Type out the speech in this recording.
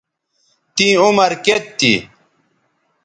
تیں عمر کیئت تھی